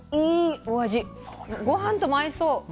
ごはんとも合いそう。